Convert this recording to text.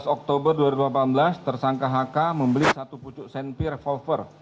tiga belas oktober dua ribu delapan belas tersangka hk membeli satu pucuk senpi revolver